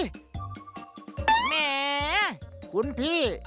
แหมคุณพี่